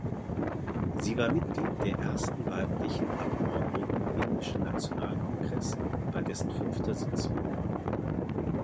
Sie war Mitglied der ersten weiblichen Abordnung im Indischen Nationalkongress bei dessen fünfter Sitzung.